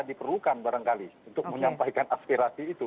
diperlukan barangkali untuk menyampaikan aspirasi itu